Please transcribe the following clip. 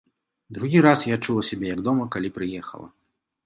Другі раз я адчула сябе як дома, калі прыехала.